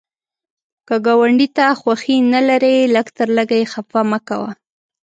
که ګاونډي ته خوښي نه لرې، لږ تر لږه یې خفه مه کوه